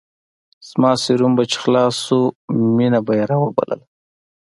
زما سيروم به چې خلاص سو مينه به يې راوبلله.